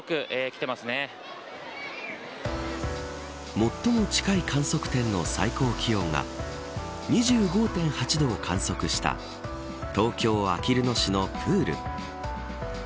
最も近い観測点の最高気温が２５．８度を観測した東京、あきる野市のプール。